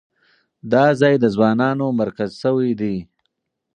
دا ځای د ځوانانو مرکز شوی دی.